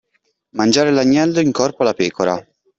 Mangiare l'agnello in corpo alla pecora.